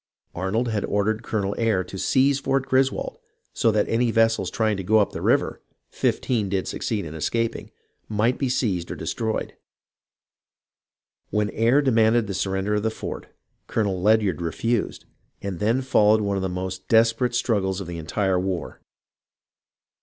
Arnold had ordered Colonel Eyre to seize Fort Griswold, so that any vessels trying to go up the river (fifteen did succeed in escaping) might be seized or destroyed. When Eyre demanded the surrender of the fort, Colonel Ledyard refused, and then followed one of the most desperate strug gles of the entire war.